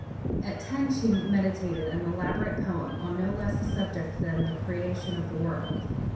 At ten she meditated an elaborate poem on no less a subject than "The Creation of the World."